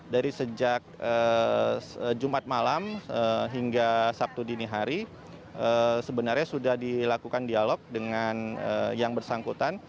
dari sejak jumat malam hingga sabtu dini hari sebenarnya sudah dilakukan dialog dengan yang bersangkutan